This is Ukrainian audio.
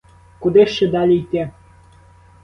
Куди ще далі йти?